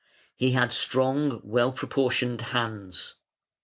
He had strong, well proportioned hands.